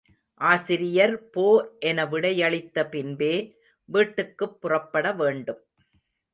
ஆசிரியர் போ என விடையளித்த பின்பே வீட்டுக்குப் புறப்பட வேண்டும்.